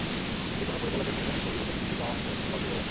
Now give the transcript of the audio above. যেকোনো পরিচালকের প্রথম ছবি ঈদে মুক্তি পাওয়া অনেকটা সৌভাগ্যের বলা চলে।